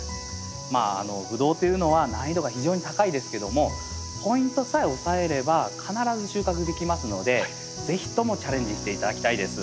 まあブドウというのは難易度が非常に高いですけどもポイントさえ押さえれば必ず収穫できますので是非ともチャレンジして頂きたいです。